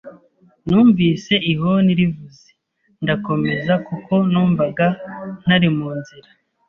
Numvise ihoni rivuze, ndakomeza kuko numvaga ntari mu nzira